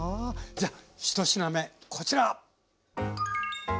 じゃあ１品目こちら！